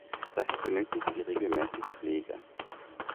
Daher benötigt sie regelmäßig Pflege.